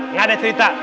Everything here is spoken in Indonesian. enggak ada cerita